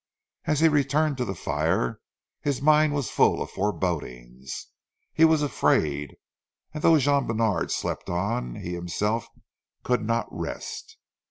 As he returned to the fire, his mind was full of forebodings. He was afraid, and though Jean Bènard slept on, he himself could not rest.